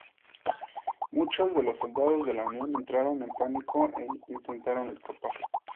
Muchos de los soldados de la Unión entraron en pánico e intentaron escapar.